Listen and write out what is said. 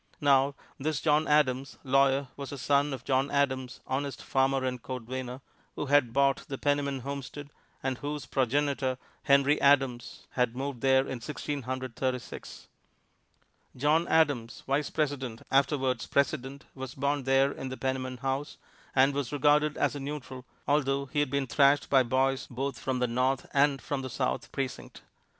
Now this John Adams, lawyer, was the son of John Adams, honest farmer and cordwainer, who had bought the Penniman homestead, and whose progenitor, Henry Adams, had moved there in Sixteen Hundred Thirty six. John Adams, Vice President, afterwards President, was born there in the Penniman house, and was regarded as a neutral, although he had been thrashed by boys both from the North and from the South Precinct.